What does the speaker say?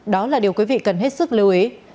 đó là điều quý vị cần hết sức lưu ý